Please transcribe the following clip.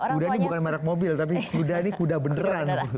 kuda ini bukan merek mobil tapi kuda ini kuda beneran